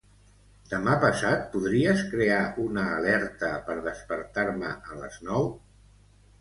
Demà passat podries crear una alerta per despertar-me a les nou?